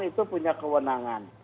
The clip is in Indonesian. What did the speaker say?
itu punya kewenangan